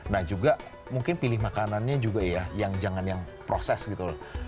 nah juga mungkin pilih makanannya juga ya yang jangan yang proses gitu loh